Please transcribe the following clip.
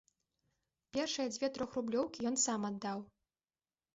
Першыя дзве трохрублёўкі ён сам аддаў.